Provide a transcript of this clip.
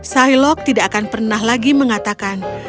sailok tidak akan pernah lagi mengatakan